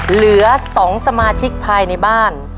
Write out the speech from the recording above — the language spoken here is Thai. เหลือ๒สมาชิกภายในบ้าน